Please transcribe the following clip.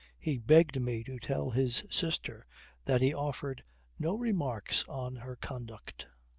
He begged me to tell his sister that he offered no remarks on her conduct.